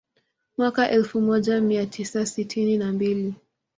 Mwaka elfu moja mia tisa sitini na mbili